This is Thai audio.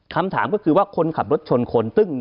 คำถามก็คือว่าคนขับรถชนคน